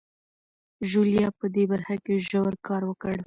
ژوليا په دې برخه کې ژور کار وکړ.